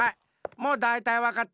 もうだいたいわかった！